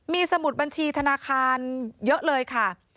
มีสมุดบัญชีธนาคารเยอะเลยค่ะ